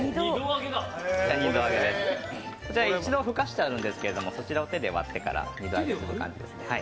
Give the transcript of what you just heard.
二度揚げです、一度ふかしてあるんですけどそちらを手で割ってから２度揚げする感じですね。